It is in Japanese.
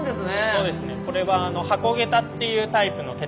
そうですね。